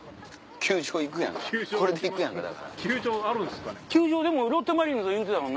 球場あるんですかね？